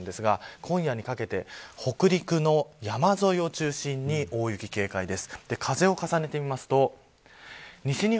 今夜にかけて北陸の山沿いを中心に大雪警戒です。